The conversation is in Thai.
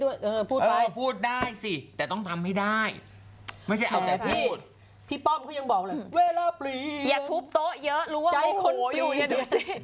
อย่าทุบโต๊ะเยอะรู้ว่าใจคนปีอยู่อย่างเดียวสิ